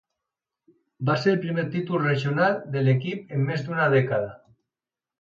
Va ser el primer títol regional de l'equip en més d'una dècada.